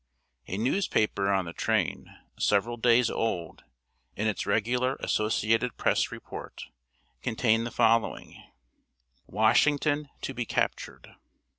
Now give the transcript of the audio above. A newspaper on the train, several days old, in its regular Associated Press report, contained the following: [Sidenote: WASHINGTON TO BE CAPTURED.